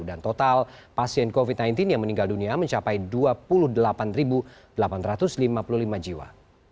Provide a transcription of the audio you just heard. dan total pasien covid sembilan belas yang meninggal dunia mencapai dua puluh delapan delapan ratus lima puluh lima jiwa